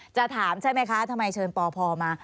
จะถามใช่ไหมคะทำไมเชิญปพมา